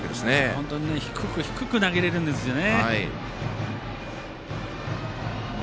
本当に低く低く投げれるんですよね。